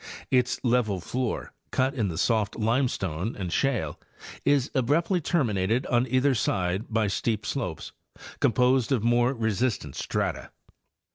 Its level floor, cut in the soft limestone and shale, is abruptly terminated on either side by steep slopes, composed of more resistant strata.